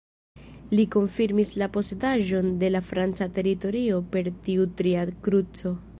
Li konfirmis la posedaĵon de la franca teritorio per tiu tria kruco.